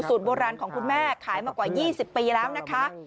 โบราณของคุณแม่ขายมากว่า๒๐ปีแล้วนะคะ